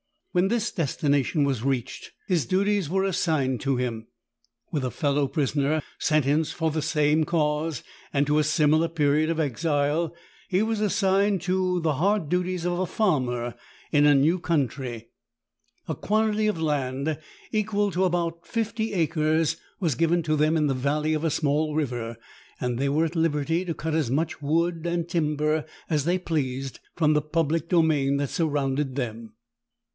When this destination was reached, his duties were assigned to him. With a fellow prisoner — sentenced for the same cause and to a similar period of exile — he was assigned to the hard duties of a farmer in a new country. A 114 THE TALKING HANDKERCHIEF. quantity of land equal to about fifty acres was given to them in the Amlley of a small river, and they were at liberty to cut as much wood and timber as they pleased from the public domain that surrounded them.